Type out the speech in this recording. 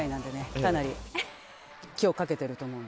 かなり今日かけていると思うので。